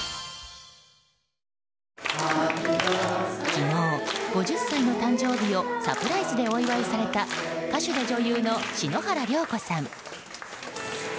昨日、５０歳の誕生日をサプライズでお祝いされた歌手で女優の篠原涼子さん。